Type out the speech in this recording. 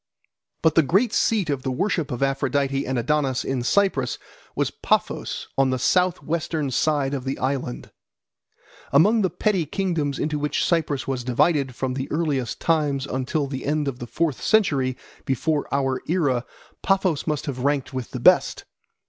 But the great seat of the worship of Aphrodite and Adonis in Cyprus was Paphos on the south western side of the island. Among the petty kingdoms into which Cyprus was divided from the earliest times until the end of the fourth century before our era Paphos must have ranked with the best.